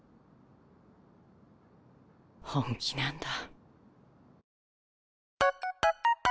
本気なんだ。